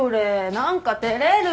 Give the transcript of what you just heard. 何か照れる。